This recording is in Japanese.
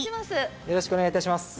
よろしくお願いします。